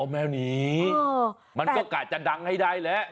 แมวหนีมันก็กะจะดังให้ได้แล้ว